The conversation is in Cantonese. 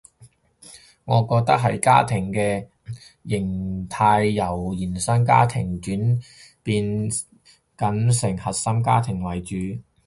我覺得係家庭嘅型態由延伸家庭轉變緊成核心家庭為主